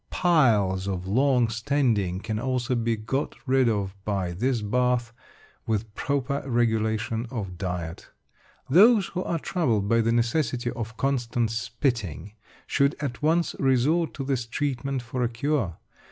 Piles of long standing can also be got rid of by this bath, with proper regulation of diet. Those who are troubled by the necessity for constant spitting should at once resort to this treatment for a cure.